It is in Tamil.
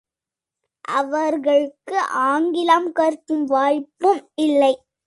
அவர்களுக்கு ஆங்கிலம் கற்கும் வாய்ப்பும் இல்லை.